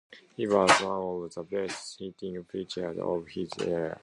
He was one of the best-hitting pitchers of his era.